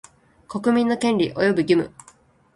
国民の権利及び義務